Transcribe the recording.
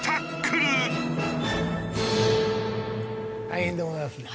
大変でございますね。